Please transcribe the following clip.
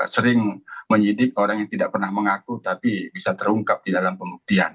sering menyidik orang yang tidak pernah mengaku tapi bisa terungkap di dalam pembuktian